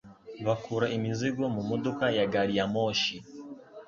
Bakura imizigo mumodoka ya gari ya moshi.